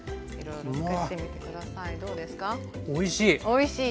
おいしい！